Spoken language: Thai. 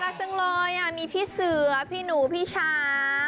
รักจังเลยมีพี่เสือพี่หนูพี่ชา